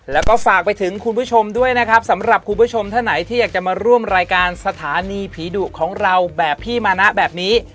แล้วก็ฝากไปถึงคุณผู้ชมด้วยนะครับสำหรับคุณผู้ชมท่านไหนที่อยากจะมาร่วมรายการสถานีผีดุของเราแบบพี่มานะแบบนี้